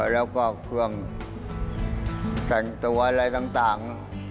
แล้วก็เครื่องสั่นตัวอะไรต่าง